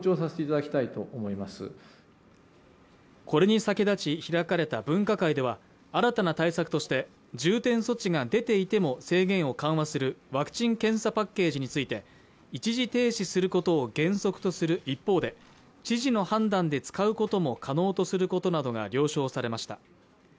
これに先立ち開かれた分科会では新たな対策として重点措置が出ていても制限を緩和するワクチン検査パッケージについて一時停止することを原則とする一方で知事の判断で使うことも可能とすることなどが了承されました